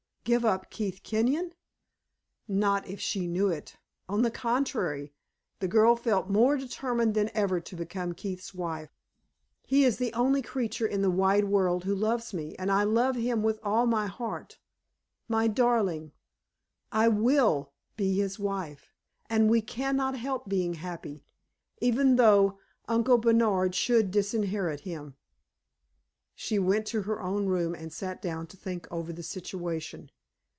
Give up Keith Kenyon? Not if she knew it; on the contrary, the girl felt more determined than ever to become Keith's wife. "He is the only creature in the wide world who loves me, and I love him with all my heart. My darling! I will be his wife, and we can not help being happy, even though Uncle Bernard should disinherit him." She went to her own room and sat down to think over the situation.